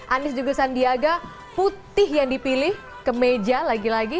anies juga sandiaga putih yang dipilih ke meja lagi lagi